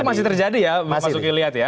itu masih terjadi ya mas uki lihat ya